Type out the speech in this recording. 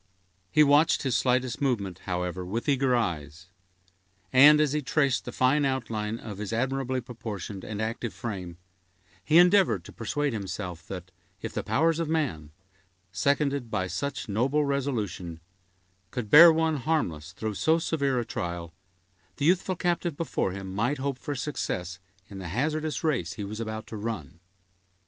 He watched his slightest movement, however, with eager eyes; and, as he traced the fine outline of his admirably proportioned and active frame, he endeavored to persuade himself, that, if the powers of man, seconded by such noble resolution, could bear one harmless through so severe a trial, the youthful captive before him might hope for success in the hazardous race he was about to run.